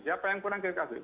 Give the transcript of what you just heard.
siapa yang kurang kita kasih